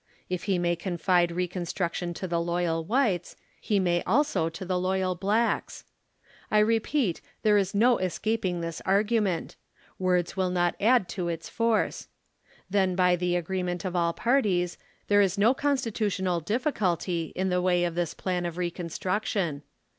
If he may confide reconstruction to the loyal whites, he may also to the loyal blachs. I repeat there is no escaping this argument ; words will not add to its force. Then by the agreement of all parties, there is no Constitutional difficuUy in the way of this plan of re construction.